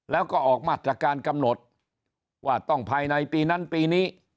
แล้วก็ออกมาตรการกำหนดว่าต้องภายในปีนั้นปีนี้